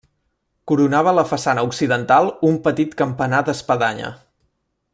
Coronava la façana occidental un petit campanar d'espadanya.